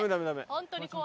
ホントに怖い。